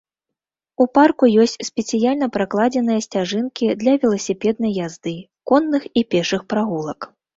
У парку ёсць спецыяльна пракладзеныя сцяжынкі для веласіпеднай язды, конных і пешых прагулак.